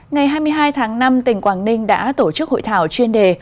ngày hai mươi hai tháng năm tỉnh quảng ninh đã tổ chức hội thảo chuyên đề